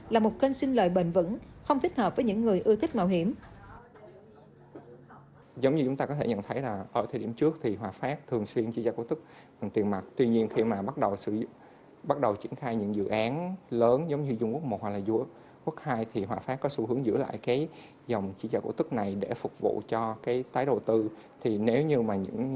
là một kênh sinh lợi bền vững không thích hợp với những người ưu thích mạo hiểm